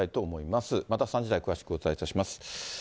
また３時台に詳しくお伝えいたします。